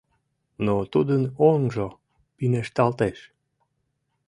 Но тудын оҥжо пинешталтеш.